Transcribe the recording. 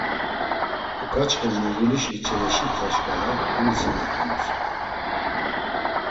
Uǩaçxe Murğulişi Çeleşipxe şǩala koǩisinapu Musa.